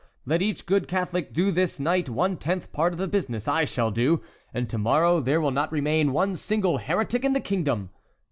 Let each good Catholic do this night one tenth part of the business I shall do, and to morrow there will not remain one single heretic in the kingdom."